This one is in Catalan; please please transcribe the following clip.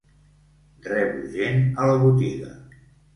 Rebo gent a la botiga.